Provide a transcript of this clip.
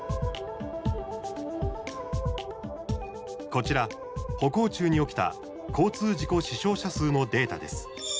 こちら、歩行中に起きた交通事故死傷者数のデータです。